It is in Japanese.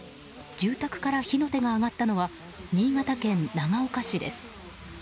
住宅から火の手が上がったのは新潟県長岡市です。